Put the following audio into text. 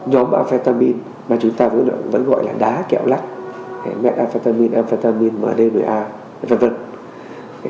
nhóm amphetamine mà chúng ta vẫn gọi là đá kẹo lách amphetamine amphetamine mdna v v